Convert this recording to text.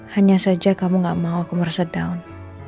hanya saja kamu gak mau aku merasa down